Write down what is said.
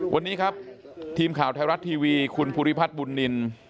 วันนี้ครับทีมข่าวไทยรัฐทีวีคุณภูริพัฒน์บุญนิน